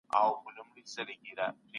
څېړونکی تل نوي شیان لټوي.